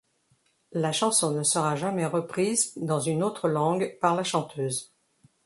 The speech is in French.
La chanson ne sera jamais reprise dans une autre langue par la chanteuse.